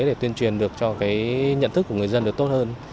để tuyên truyền được cho cái nhận thức của người dân được tốt hơn